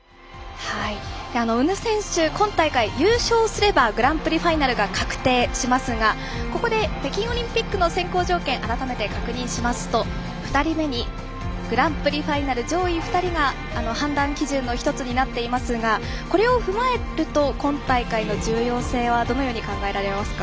宇野選手、今大会優勝すればグランプリファイナルが確定しますがここで、北京オリンピックの選考条件改めて確認しますと２人目にグランプリファイナル上位２人が判断基準の１つになっていますがこれを踏まえると今大会の重要性はどのように考えられますか？